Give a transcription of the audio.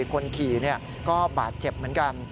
คนขี่ก็บาดเจ็บเหมือนกัน